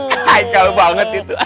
hah haikal banget itu